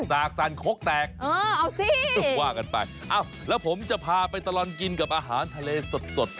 สากซัณภ์คกแตก